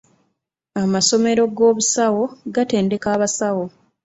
Amasomero g'obusawo gatendeka abasawo.